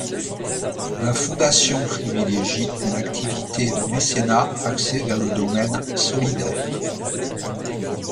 La Fondation privilégie une activité de mécénat axée vers le domaine solidaire.